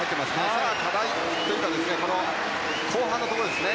さあ、課題というか後半のところですね。